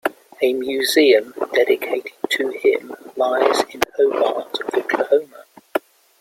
A museum dedicated to him lies in Hobart, Oklahoma.